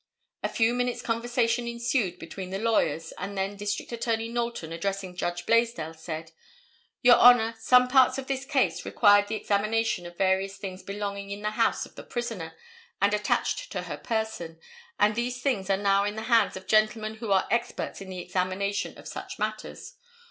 A few minutes conversation ensued between the lawyers, and then District Attorney Knowlton addressing Judge Blaisdell said: "Your Honor, some parts of this case required the examination of various things belonging in the house of the prisoner and attached to her person, and these things are now in the hands of gentlemen who are experts in the examination of such matters.